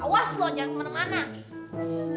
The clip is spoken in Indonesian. awas lo jangan kemana mana